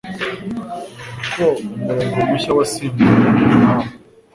ko umurongo mushya wasimbuye uwabo